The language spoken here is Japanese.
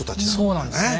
そうなんですね。